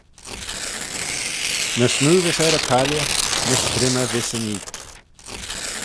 Ny smoo vees er y tailley, ny strimmey vees yn eeck.